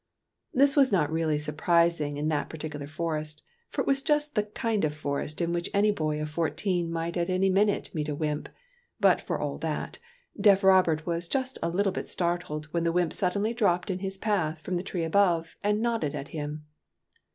This was not really sur prising in that particular forest, for it was just the kind of forest in which any boy of fourteen might at any minute meet a wymp ; but for all that, deaf Robert was just a little bit startled when the wymp suddenly dropped in his path from the tree above and nodded at him.